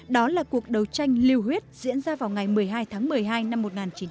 đó là cuộc đấu tranh lưu huyết diễn ra vào ngày một mươi hai tháng một mươi hai năm một nghìn chín trăm bảy mươi